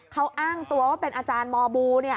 เขาอ้างตัวว่าเป็นอาจารย์มบู